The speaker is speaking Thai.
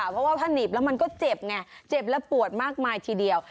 เพราะว่าถ้าหนีบแล้วมันก็เจ็บไงเจ็บและปวดมากมายทีเดียว